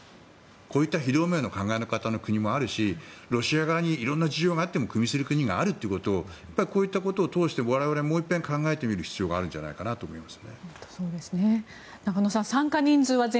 こういった非同盟の考え方の国もあるしロシア側に色んな事情があってもくみする国があるということを考えるとこういったことを通して我々はもう一遍考えてみる必要があるんじゃないかと思います。